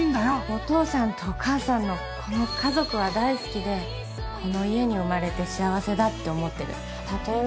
お父さんとお母さんのこの家族は大好きでこの家に生まれて幸せだって思ってるたとえ